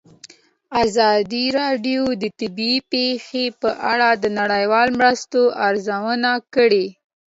ازادي راډیو د طبیعي پېښې په اړه د نړیوالو مرستو ارزونه کړې.